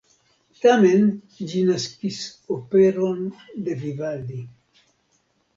Tamen ĝi naskis operon de Vivaldi.